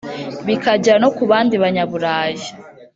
bikagera no ku bandi Banyaburayi